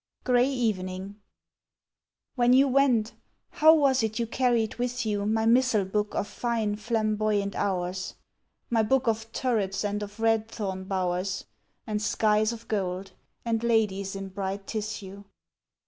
GREY EVENING WHEN you went, how was it you carried with you My missal book of fine, flamboyant hours? My book of turrets and of red thorn bowers, And skies of gold, and ladies in bright tissue?